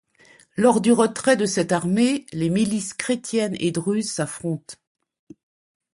Lors du retrait de cette armée, les milices chrétiennes et druzes s'affrontent.